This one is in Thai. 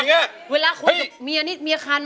เมื่อสักครู่นี้ถูกต้องทั้งหมด